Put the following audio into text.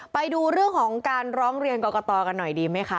ไปดูเรื่องของการร้องเรียนกรกตกันหน่อยดีไหมคะ